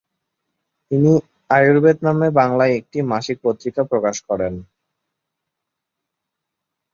তিনি "আয়ুর্বেদ" নামে বাংলায় একটি মাসিক পত্রিকা প্রকাশ করেন।